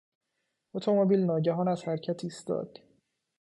اتومبیل ناگهان از حرکت ایستاد.